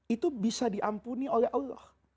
itu bisa diampuni oleh allah